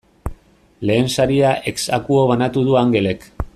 Lehen saria ex aequo banatu du Angelek.